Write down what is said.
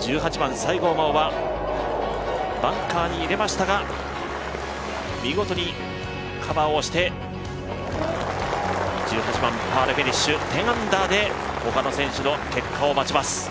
１８番、西郷真央はバンカーに入れましたが、見事にカバーをして１８番、パーでフィニッシュ１０アンダーで他の選手の結果を待ちます。